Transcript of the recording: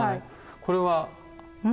これは？